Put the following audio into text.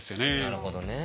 なるほどね。